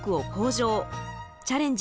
「チャレンジ！